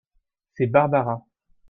C'est Barbara.